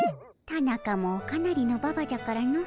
タナカもかなりのババじゃからの。